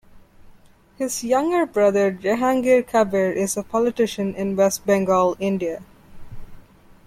His younger brother Jehangir Kabir is a politician in West Bengal, India.